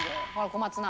小松菜。